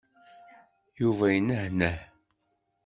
Yuba yenehneh.